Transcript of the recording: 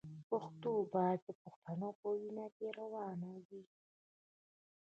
پښتو باید د پښتنو په وینه کې روانه وي.